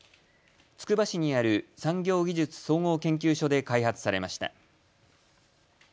つくば市にある産業技術総合研究所で開発されました。